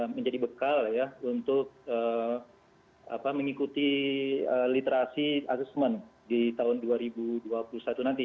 menjadi bekal ya untuk mengikuti literasi asesmen di tahun dua ribu dua puluh satu nanti